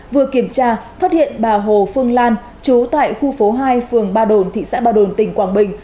vừa kiểm tra phát hiện bà hồ phương lan chú tại khu phố hai phường ba đồn thị xã ba đồn tỉnh quảng bình